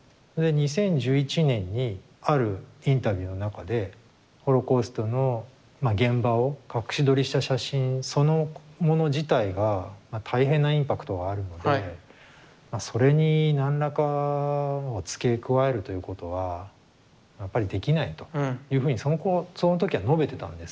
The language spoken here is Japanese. ２０１１年にあるインタビューの中でホロコーストの現場を隠し撮りした写真そのもの自体が大変なインパクトがあるのでそれに何らかを付け加えるということはやっぱりできないというふうにその時は述べてたんです。